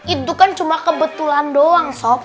itu kan cuma kebetulan doang soft